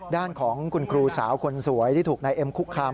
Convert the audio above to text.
ด้านของคุณครูสาวคนสวยที่ถูกนายเอ็มคุกคาม